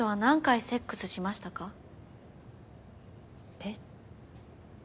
えっ？